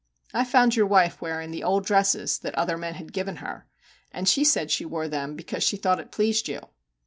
I found your wife wearing the old dresses that other men had given her, and she said she wore them because she thought it pleased you.